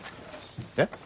えっ。